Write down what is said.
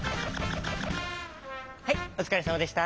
はいおつかれさまでした。